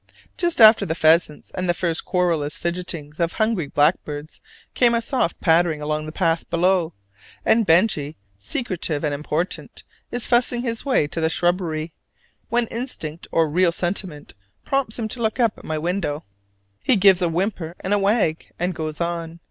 Just after the pheasants and the first querulous fidgetings of hungry blackbirds comes a soft pattering along the path below: and Benjy, secretive and important, is fussing his way to the shrubbery, when instinct or real sentiment prompts him to look up at my window; he gives a whimper and a wag, and goes on.